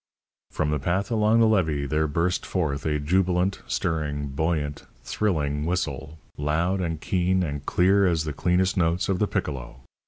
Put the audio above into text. From the path along the levee there burst forth a jubilant, stirring, buoyant, thrilling whistle, loud and keen and clear as the cleanest notes of the piccolo.